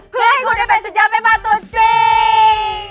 เพื่อให้คุณได้เป็นสุดยอดแม่บ้านตัวจริง